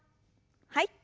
はい。